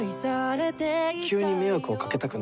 清居に迷惑をかけたくない。